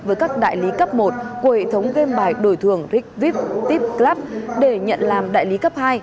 với các đại lý cấp một của hệ thống game bài đổi thường rigvit tip club để nhận làm đại lý cấp hai